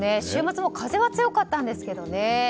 週末も風は強かったんですけどね。